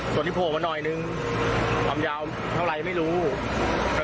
ก็เลยมาทำการหุดกัน